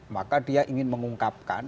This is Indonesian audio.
maka dia ingin mengungkapkan